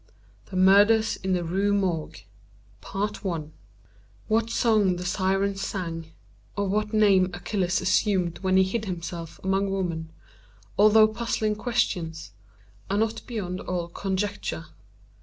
THE MURDERS IN THE RUE MORGUE What song the Syrens sang, or what name Achilles assumed when he hid himself among women, although puzzling questions, are not beyond all conjecture.